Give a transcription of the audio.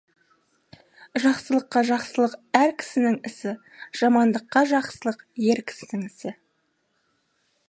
Жақсылыққа жақсылық — әр кісінің ісі, жамандыққа жақсылық — ер кісінің ісі.